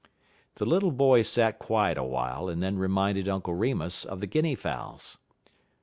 The little boy sat quiet awhile, and then reminded Uncle Remus of the guinea fowls.